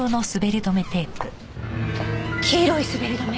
黄色い滑り止め。